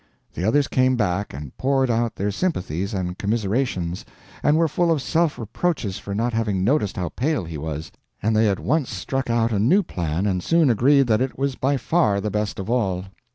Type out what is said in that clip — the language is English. The others came back, and poured out their sympathies and commiserations, and were full of self reproaches for not having noticed how pale he was. And they at once struck out a new plan, and soon agreed that it was by far the best of all.